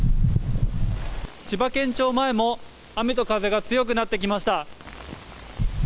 千葉県庁前も雨と風が強くなってきました。